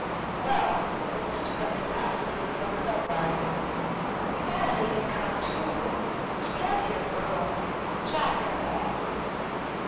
"Well," said Mrs. Putney passively, but without rising. "Annie can come too. There's plenty of room. Jack can walk."